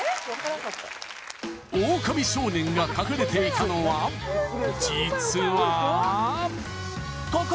オオカミ少年が隠れていたのは実はここ！